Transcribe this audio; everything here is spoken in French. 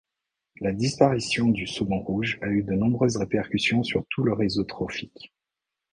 La disparition du saumon rouge a eu nombreuses répercutions sur tout le réseau trophique.